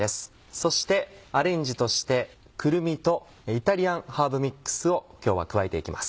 そしてアレンジとしてくるみとイタリアンハーブミックスを今日は加えていきます。